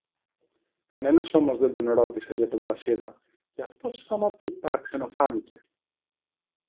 Κανένας όμως δεν τον ρώτησε για τον Βρασίδα, και αυτό σα να του παραξενοφάνηκε